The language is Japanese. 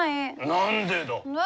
何でだ？